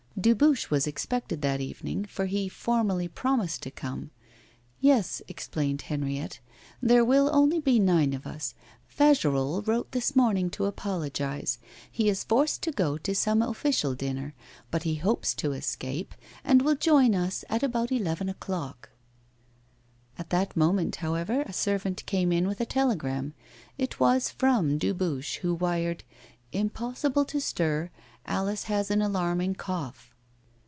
Dubuche was expected that evening, for he had formally promised to come. 'Yes,' explained Henriette, 'there will only be nine of us. Fagerolles wrote this morning to apologise; he is forced to go to some official dinner, but he hopes to escape, and will join us at about eleven o'clock.' At that moment, however, a servant came in with a telegram. It was from Dubuche, who wired: 'Impossible to stir. Alice has an alarming cough.